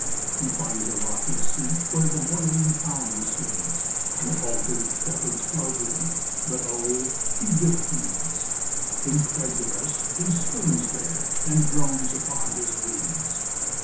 He finds a rocky seat where the moiling town recedes: The altered shepherds flout him; but O he little heeds! Incredulous he swings there, and drones upon his reeds.